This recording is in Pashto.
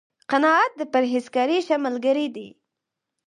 قناعت، د پرهېزکارۍ ښه ملګری دی